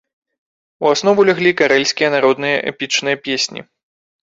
У аснову ляглі карэльскія народныя эпічныя песні.